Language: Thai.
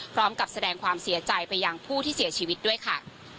พร้อมกับแสดงความเสียใจไปยังผู้ที่เสียชีวิตด้วยค่ะ